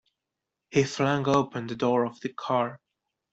He flung open the door of the car.